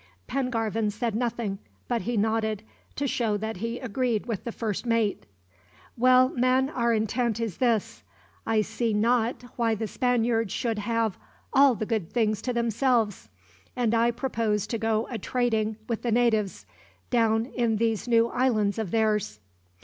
Pengarvan said nothing, but he nodded, to show that he agreed with the first mate. "Well, men, our intent is this: I see not why the Spaniards should have all the good things to themselves, and I purpose to go a trading with the natives, down in these new islands of theirs."